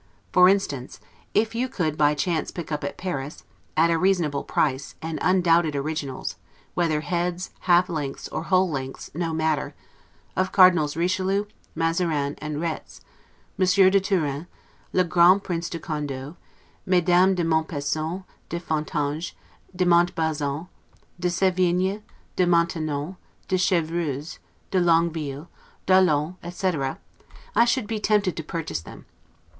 For instance, if you could by chance pick up at Paris, at a reasonable price, and undoubted originals (whether heads, half lengths, or whole lengths, no matter) of Cardinals Richelieu, Mazarin, and Retz, Monsieur de Turenne, le grand Prince de Condo; Mesdames de Montespan, de Fontanges, de Montbazon, de Sevigne, de Maintenon, de Chevreuse, de Longueville, d'Olonne, etc., I should be tempted to purchase them.